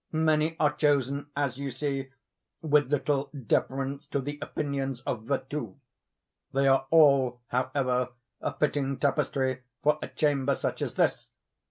Many are chosen, as you see, with little deference to the opinions of Virtu. They are all, however, fitting tapestry for a chamber such as this.